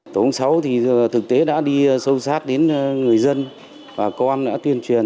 tổ công sáu thực tế đã đi sâu sát đến người dân bà con đã tuyên truyền